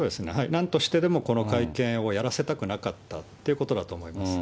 なんとしてでも、この会見をやらせたくなかったっていうことだと思います。